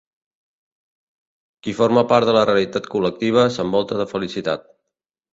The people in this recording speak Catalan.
Qui forma part de la realitat col·lectiva s'envolta de felicitat.